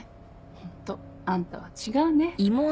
ホントあんたは違うね。